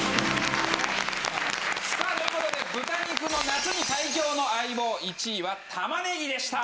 さあという事で豚肉の夏に最強の相棒１位は玉ねぎでした！